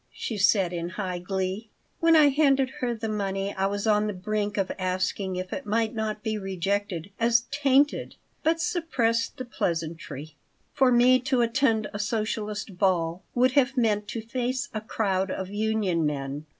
she said, in high glee When I handed her the money I was on the brink of asking if it might not be rejected as "tainted," but suppressed the pleasantry For me to attend a socialist ball would have meant to face a crowd of union men.